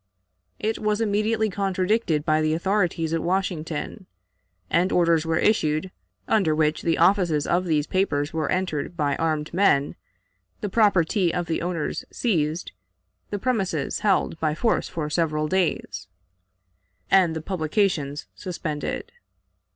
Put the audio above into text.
It was immediately contradicted by the authorities at Washington, and orders were issued, under which the offices of these papers were entered by armed men, the property of the owners seized, the premises held by force for several days, and the publications suspended.